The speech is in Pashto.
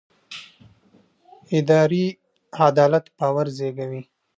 اداري عدالت باور زېږوي